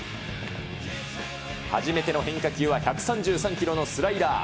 初めての変化球は１３３キロのスライダー。